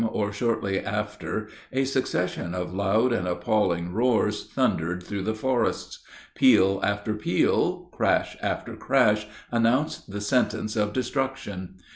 or shortly after, a succession of loud and appalling roars thundered through the forests. Peal after peal, crash after crash, announced the sentence of destruction.